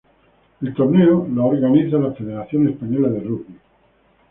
El torneo lo organiza la Federación Española de Rugby.